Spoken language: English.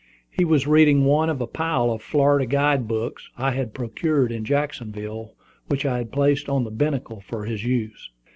He was reading one of a pile of Florida guide books I had procured in Jacksonville, which I had placed by the binnacle for his use.